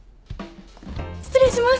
失礼します！